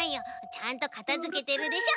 ちゃんとかたづけてるでしょ。